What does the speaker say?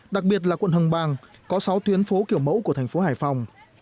đặc biệt là quận hồng bàng có sáu tuyến phố kiểu mẫu của thành phố hải phòng